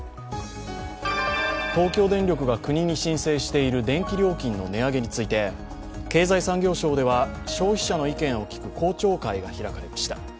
東京電力が国に申請している電気料金の値上げについて経済産業省では消費者の意見を聞く公聴会が開かれました。